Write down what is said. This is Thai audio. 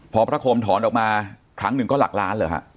พอพระคมถอนออกมาครั้งหนึ่งก็หลักล้านเหรอฮะ